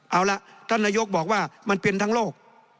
เอาล่ะท่านนายกบอกว่ามันเป็นทั้งโลก